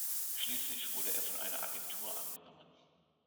Schließlich wurde er von einer Agentur angenommen.